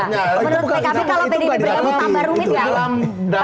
menurut pkb kalau pdip bergabung tambah rumit gak